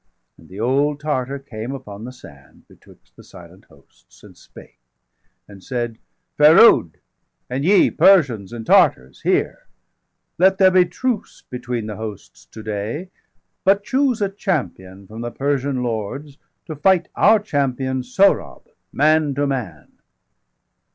°147 And the old Tartar came upon the sand Betwixt the silent hosts, and spake, and said: "Ferood, and ye, Persians and Tartars, hear! 150 Let there be truce between the hosts to day. But choose a champion from the Persian lords To fight our champion Sohrab, man to man."